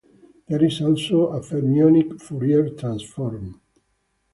There is also a fermionic Fourier transform.